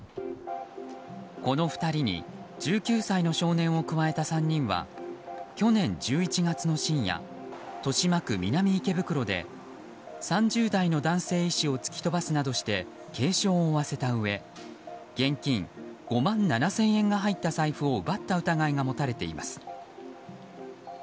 この２人に１９歳の少年を加えた３人は去年１１月の深夜豊島区南池袋で３０代の男性医師を突き飛ばすなどして軽傷を負わせたうえ現金５万７０００円が入った財布を奪った疑いが持たれています。